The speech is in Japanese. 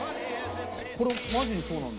これマジにそうなんだ。